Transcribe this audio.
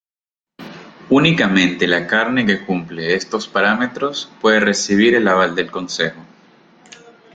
Únicamente la carne que cumple estos parámetros puede recibir el aval del Consejo.